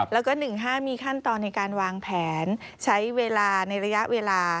แล้วก็๑๕มีขั้นตอนในการวางแผนใช้เวลาในระยะเวลา